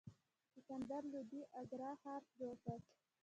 سکندر لودي اګره ښار جوړ کړ.